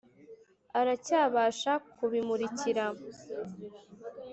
Aracyabasha kubimurikira.